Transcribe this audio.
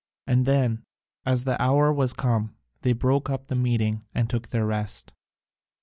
And then, as the hour was come, they broke up the meeting and took their rest. [C.